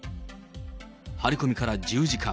張り込みから１０時間。